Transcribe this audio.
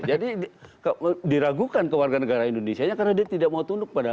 jadi diragukan ke warga negara indonesia karena dia tidak mau tunduk pada